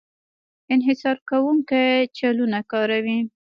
انحصار کوونکی چلونه کاروي.